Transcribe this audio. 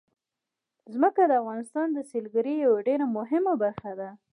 ځمکه د افغانستان د سیلګرۍ یوه ډېره مهمه برخه ده.